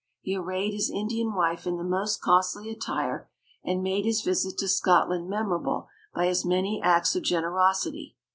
He arrayed his Indian wife in the most costly attire, and made his visit to Scotland memorable by his many acts of generosity.